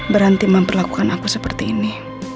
berhenti memperlakukan aku seperti ini